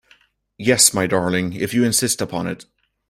Yes, my darling, if you insist upon it!